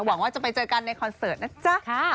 หวังว่าจะไปเจอกันในคอนเสิร์ตนะจ๊ะ